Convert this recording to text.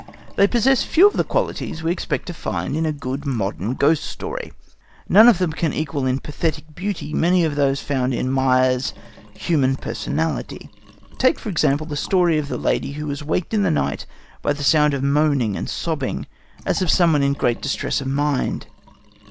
They possess few of the qualities we expect to find in a good modern ghost story. None of them can equal in pathetic beauty many of those to be found in Myers's Human Personality. Take, for example, the story of the lady who was waked in the night by the sound of moaning and sobbing, as of someone in great distress of mind.